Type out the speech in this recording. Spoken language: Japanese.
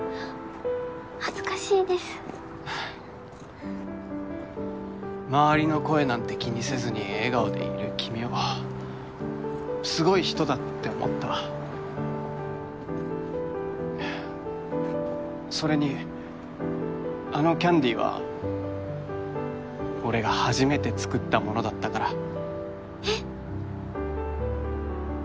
恥ずかしいです周りの声なんて気にせずに笑顔でいる君をすごい人だって思ったそれにあのキャンディーは俺が初めて作ったものだったからえっ？